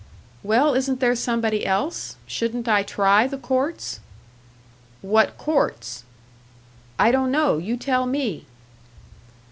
"Well, isn't there somebody else? Shouldn't I try the courts?" "What courts?" "I don't know. You tell me."